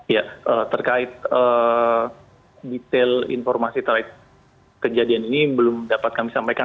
ya terkait detail informasi terkait kejadian ini belum dapat kami sampaikan